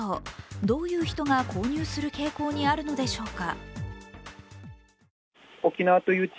どういう人が購入する傾向にあるのでしょうか。